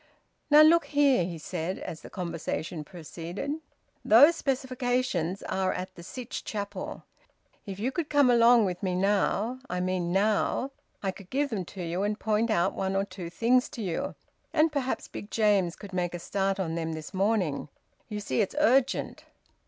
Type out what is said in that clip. "Now look here!" he said, as the conversation proceeded, "those specifications are at the Sytch Chapel. If you could come along with me now I mean now I could give them to you and point out one or two things to you, and perhaps Big James could make a start on them this morning. You see it's urgent."